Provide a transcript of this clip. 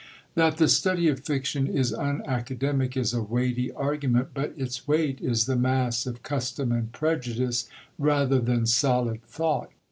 That the study of fiction is unacademic is a weighty argument, but its weight is the mass of custom and prejudice rather than solid thought.